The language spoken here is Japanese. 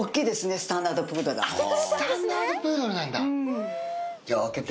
スタンダード・プードルなんだ。